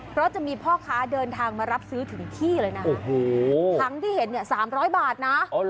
เพราะจะมีพ่อค้าเดินทางมารับซื้อถึงที่เลยนะคะทั้งที่เห็นเนี่ย๓๐๐บาทนะ